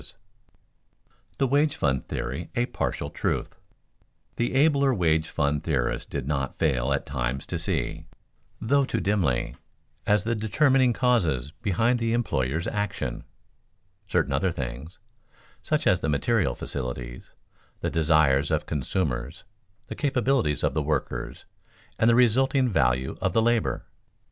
[Sidenote: The wage fund theory a partial truth] The abler wage fund theorists did not fail at times to see, though too dimly, as the determining causes behind the employers' action, certain other things, such as the material facilities, the desires of consumers, the capabilities of the workers, and the resulting value of the labor.